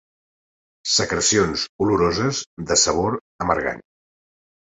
Secrecions oloroses de sabor amargant.